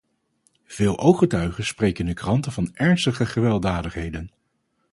Veel ooggetuigen spreken in de kranten van ernstige gewelddadigheden.